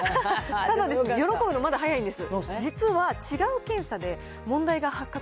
ただ、喜ぶのまだ早いんです。